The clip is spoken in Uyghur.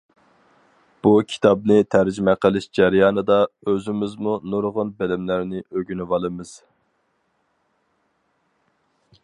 بۇ كىتابنى تەرجىمە قىلىش جەريانىدا ئۆزىمىزمۇ نۇرغۇن بىلىملەرنى ئۆگىنىۋالىمىز.